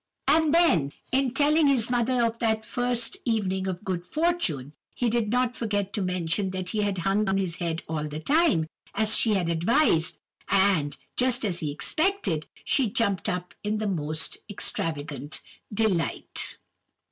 "And then, in telling his mother of that first evening of his good fortune, he did not forget to mention that he had hung down his head all the time, as she had advised; and, just as he expected, she jumped up in the most extravagant delight.